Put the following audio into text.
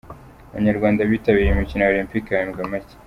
Abanyarwanda bitabiriye imikino ya Olempike bahembwa make